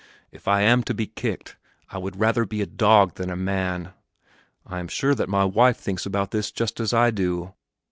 If I am to be kicked I would rather be a dog than a man! I am sure that my wife thinks about this just as I do."